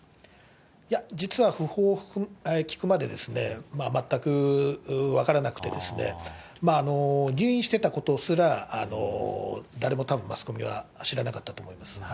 いや、実は訃報を聞くまで全く分からなくて、入院してたことすら、誰もたぶんマスコミは知らなかったと思います。